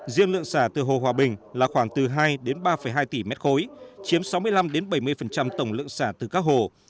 riêng lượng xả từ hồ hòa bình là khoảng từ hai đến ba hai tỷ m ba chiếm sáu mươi năm bảy mươi tổng lượng xả từ các hồ